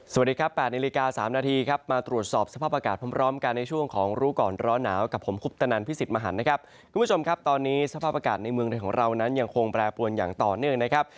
สวัสดีครับ๘นาฬิกา๓นาทีครับมาตรวจสอบสภาพอากาศพร้อมกันในช่วงของรู้ก่อนร้อนหนาวกับผมคุปตนันพิสิทธิ์มหันนะครับคุณผู้ชมครับตอนนี้สภาพอากาศในเมืองไทยของเรานั้นยังคงแปรปวนอย่างต่อเนื่องนะครับ